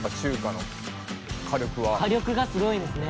火力がすごいですね。